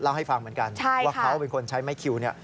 ให้ฟังเหมือนกันว่าเขาเป็นคนใช้ไม้คิวเนี่ย